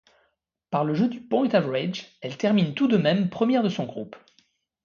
Par le jeu du point-average, elle termine tout de même première de son groupe.